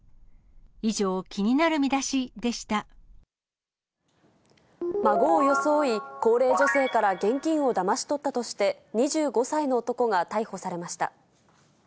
以上、孫を装い、高齢女性から現金をだまし取ったとして、２５歳の男が逮捕されました。